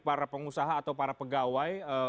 para pengusaha atau para pegawai